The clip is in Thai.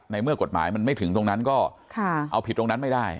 เมื่อกฎหมายมันไม่ถึงตรงนั้นก็เอาผิดตรงนั้นไม่ได้